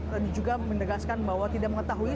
dan juga menegaskan bahwa tidak mengetahui